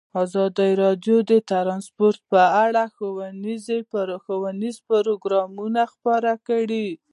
ازادي راډیو د ترانسپورټ په اړه ښوونیز پروګرامونه خپاره کړي.